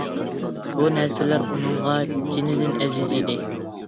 بۇ نەرسىلەر ئۇنىڭغا جېنىدىن ئەزىز ئىدى.